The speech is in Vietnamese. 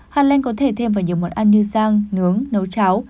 hạt lanh có thể thêm vào nhiều món ăn như rang nướng nấu cháo